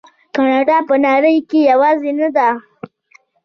کاناډا په نړۍ کې یوازې نه ده.